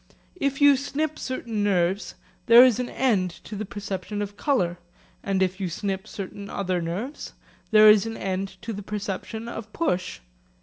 If you snip certain nerves, there is an end to the perception of colour; and if you snip certain other nerves, there is an end to the perception of push.